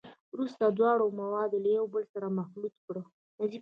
وروسته دواړه مواد یو له بل سره مخلوط کړئ.